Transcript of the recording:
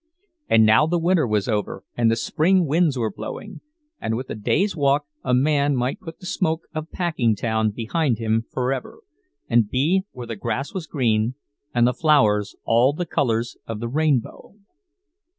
And now the winter was over, and the spring winds were blowing—and with a day's walk a man might put the smoke of Packingtown behind him forever, and be where the grass was green and the flowers all the colors of the rainbow!